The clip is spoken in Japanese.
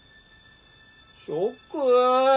ショック。